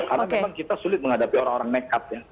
karena memang kita sulit menghadapi orang orang nekat ya